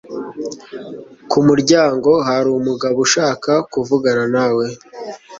ku muryango hari umugabo ushaka kuvugana nawe